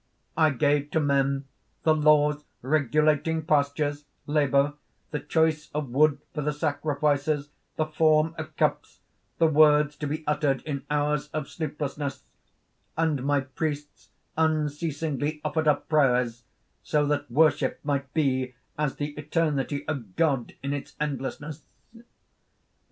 "I gave to men the laws regulating pastures, labour, the choice of wood for the sacrifices, the form of cups, the words to be uttered in hours of sleeplessness; and my priests unceasingly offered up prayers, so that worship might be as the eternity of God in its endlessness.